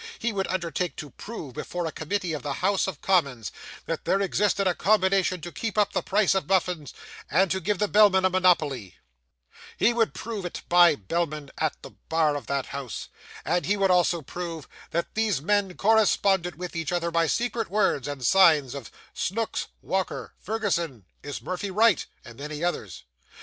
He would undertake to prove before a committee of the House of Commons, that there existed a combination to keep up the price of muffins, and to give the bellmen a monopoly; he would prove it by bellmen at the bar of that House; and he would also prove, that these men corresponded with each other by secret words and signs as 'Snooks,' 'Walker,' 'Ferguson,' 'Is Murphy right?' and many others.